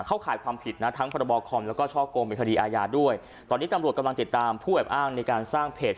ข่ายความผิดนะทั้งพรบคอมแล้วก็ช่อกงเป็นคดีอาญาด้วยตอนนี้ตำรวจกำลังติดตามผู้แอบอ้างในการสร้างเพจ